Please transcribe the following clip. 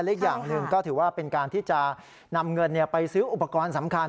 อีกอย่างหนึ่งก็ถือว่าเป็นการที่จะนำเงินไปซื้ออุปกรณ์สำคัญ